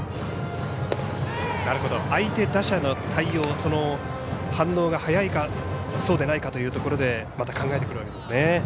相手打者の対応、反応が早いかそうでないかというところでまた考えてくるわけですね。